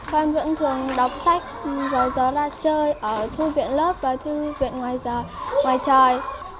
con vẫn thường đọc sách vào giờ ra chơi ở thư viện lớp và thư viện ngoài trời